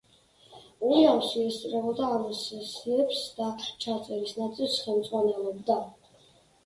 უილიამსი ესწრებოდა ამ სესიებს და ჩაწერის ნაწილს ხელმძღვანელობდა.